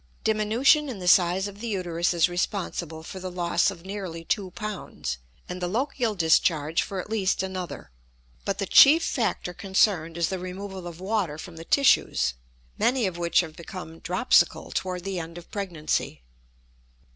Diminution in the size of the uterus is responsible for the loss of nearly two pounds, and the lochial discharge for at least another; but the chief factor concerned is the removal of water from the tissues, many of which have become dropsical toward the end of pregnancy.